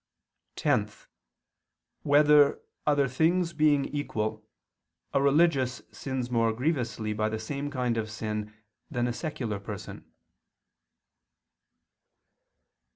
(10) Whether, other things being equal, a religious sins more grievously by the same kind of sin than a secular person?